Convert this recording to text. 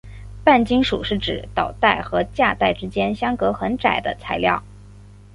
半金属是指导带和价带之间相隔很窄的材料。